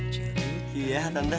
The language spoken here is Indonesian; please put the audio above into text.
jadi iya tante